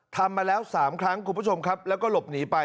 ทำมาแล้ว๓ครั้งคุณผู้ชมครับแล้วก็หลบหนีไป